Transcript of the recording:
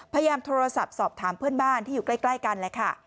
พยายามโทรศัพท์สอบถามเพื่อนบ้านที่อยู่ใกล้กันแหละค่ะ